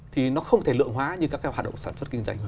thì nó không thể lượng hóa như các cái hoạt động sản xuất kinh doanh